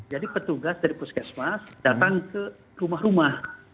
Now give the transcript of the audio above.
jadi petugas dari puskesmas datang ke rumah rumah